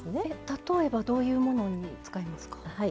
例えばどういうものに使えますか？